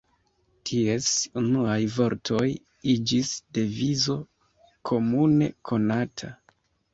Ties unuaj vortoj iĝis devizo komune konata.